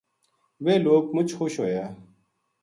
ویہ لوک مچ خوش ہویا